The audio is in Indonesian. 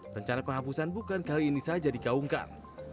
rencana penghapusan bukan kali ini saja digaungkan